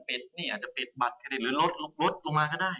เพราะฉะนั้นปิดบัตรคดีหรือลดลงมาก็ได้